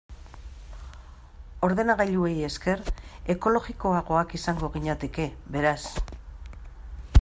Ordenagailuei esker, ekologikoagoak izango ginateke, beraz.